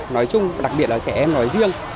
nói chung đặc biệt là trẻ em nói riêng